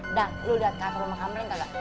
udah lu lihat kasur rumah kami enggak